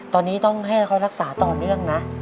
ตอนนี้ต้องให้เขารักษาต่อเนื่องนะ